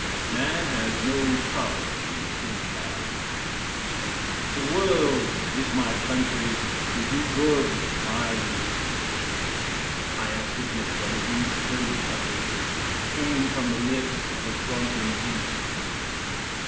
"Man has no property in man." "The world is my country, to do good my religion." I ask again whether these splendid utterances came from the lips of a drunken beast?